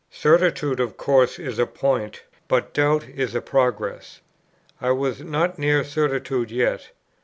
Certitude of course is a point, but doubt is a progress; I was not near certitude yet.